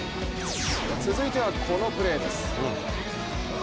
続いてはこのプレーです。